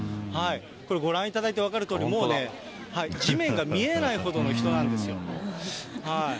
これ、ご覧いただいて分かるとおり、もうね、地面が見えないほどの人なんですよ。